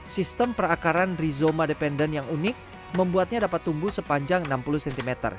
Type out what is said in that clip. sistem perakaran rizoma dependent yang unik membuatnya dapat tumbuh sepanjang enam puluh cm